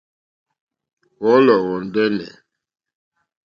Wɔ̌lɔ̀ wɔ̀ ndɛ́nɛ̀.